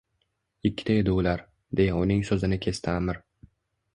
— Ikkita edi ular, — deya uning soʼzini kesdi Аmir